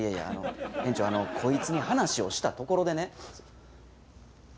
こいつに話をしたところでね。